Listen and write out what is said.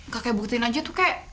kakek buktiin aja tuh kayak